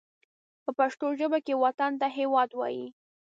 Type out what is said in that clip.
په پښتو ژبه کې وطن ته هېواد وايي